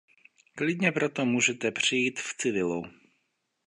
Klidně proto můžete přijít v civilu.